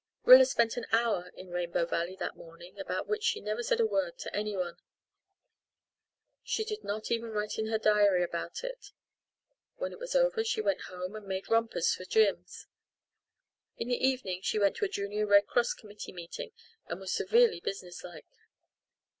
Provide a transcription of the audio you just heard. Rilla spent an hour in Rainbow Valley that morning about which she never said a word to anyone; she did not even write in her diary about it; when it was over she went home and made rompers for Jims. In the evening she went to a Junior Red Cross committee meeting and was severely businesslike.